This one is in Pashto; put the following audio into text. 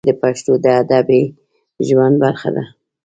مشاعرې د پښتنو د ادبي ژوند برخه ده.